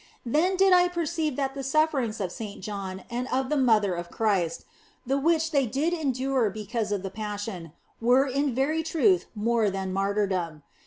Then did I perceive that the sufferings of Saint John and of the Mother of Christ (the which they did endure because of the Passion) were in very truth more than martyrdom.